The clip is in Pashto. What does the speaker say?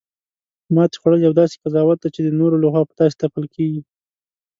ماتې خوړل یو داسې قضاوت دی، چی د نورو لخوا په تاسې تپل کیږي